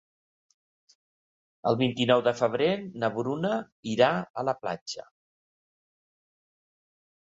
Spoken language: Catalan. El vint-i-nou de febrer na Bruna irà a la platja.